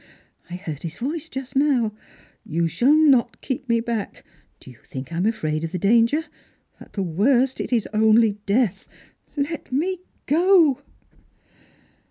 I heard his voice just now. You shall not keep me back. Do you think lam afraid of the danger? At the worst it is only death. Let me go